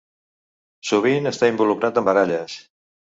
Sovint està involucrat en baralles.